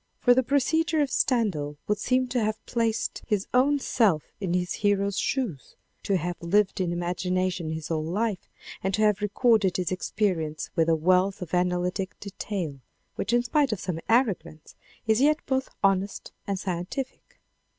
For the procedure of Stendhal would seem to have placed his own self in his hero's shoes, to have lived in imagination his whole life, and to have recorded his experience with a wealth of analytic detail, which in spite of some arrogance, is yet both honest and scientific.